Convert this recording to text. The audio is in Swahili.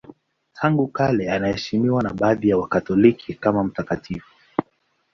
Tangu kale anaheshimiwa na baadhi ya Wakatoliki kama mtakatifu.